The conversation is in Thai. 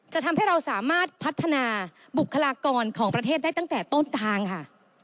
ทำให้เราสามารถพัฒนาบุคลากรของประเทศได้ตั้งแต่ต้นทางค่ะ